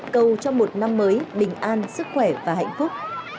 cầu cho một năm mới bình an sức khỏe và hạnh phúc